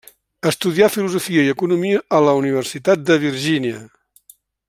Estudià filosofia i economia a la Universitat de Virgínia.